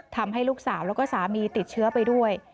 ทำให้ลูกสาวแล้วก็สามีติดเชื้อไปด้วย